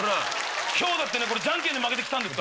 今日だってじゃんけんで負けて来たんです。